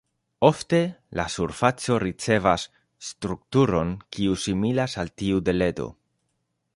Ofte la surfaco ricevas strukturon kiu similas al tiu de ledo.